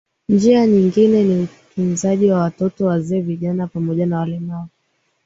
Njia nyingine ni utunzaji wa watoto wazee vijana pamoja na walemavu